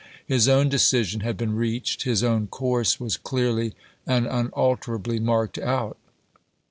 His own decision had been reached ; his own course was clearly and unalterably marked out.